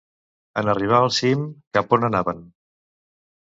En arribar al cim, cap a on anaven?